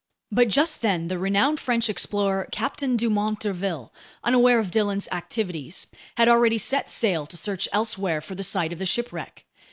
But just then the renowned French explorer Captain Dumont d'Urville, unaware of Dillon's activities, had already set sail to search elsewhere for the site of the shipwreck.